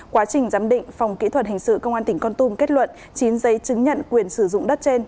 quá trình giám định phòng kỹ thuật hình sự công an tỉnh con tum kết luận chín giấy chứng nhận quyền sử dụng đất trên